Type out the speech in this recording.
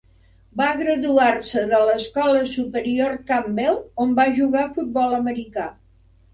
Va graduar-se de l'Escola Superior Campbell on va jugar futbol americà.